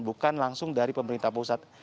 bukan langsung dari pemerintah pusat